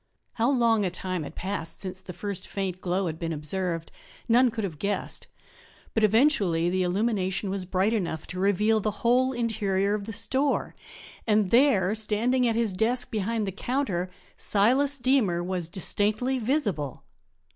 How long a time had passed since the first faint glow had been observed none could have guessed, but eventually the illumination was bright enough to reveal the whole interior of the store; and there, standing at his desk behind the counter, Silas Deemer was distinctly visible!